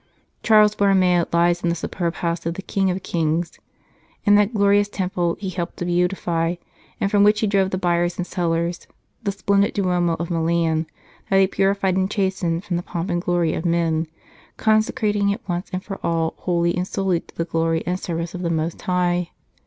238 " Ecce venio Charles Borromeo lies in the superb House of the King of Kings, in that glorious temple he helped to beautify, and from which he drove the buyers and sellers the splendid Duomo of Milan that he purified and chastened from the pomp and glory of men, consecrating it once and for all wholly and solely to the glory and service of the Most High.